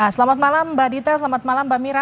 selamat malam mbak dita selamat malam mbak mira